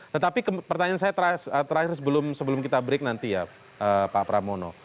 tetapi pertanyaan saya terakhir sebelum kita break nanti ya pak pramono